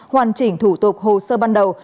hoàn chỉnh thủ tục hồ sơ ban đầu